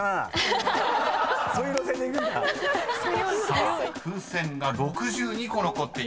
［さあ風船が６２個残っています］